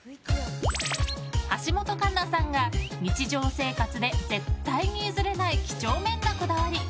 橋本環奈さんが日常生活で絶対に譲れない几帳面なこだわり。